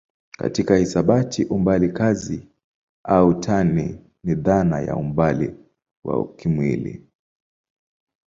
Katika hisabati umbali kazi au tani ni dhana ya umbali wa kimwili.